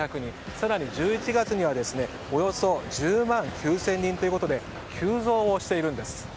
更に、１１月にはおよそ１０万９０００人で急増しているんです。